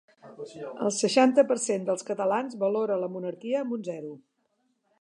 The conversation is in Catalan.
El seixanta per cent dels catalans valora la monarquia amb un zero.